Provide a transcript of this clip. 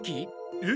えっ？